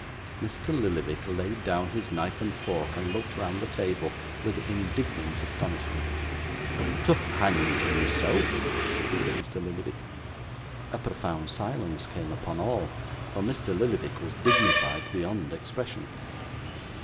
Mr. Lillyvick laid down his knife and fork, and looked round the table with indignant astonishment. 'To hang himself!' repeated Mr. Lillyvick. A profound silence came upon all, for Mr. Lillyvick was dignified beyond expression.